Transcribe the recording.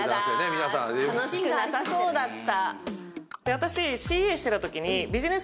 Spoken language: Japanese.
皆さんやだ楽しくなさそうだった